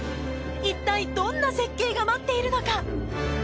一体どんな絶景が待っているのか！？